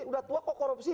sudah tua kok korupsi